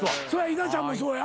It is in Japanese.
稲ちゃんもそうや。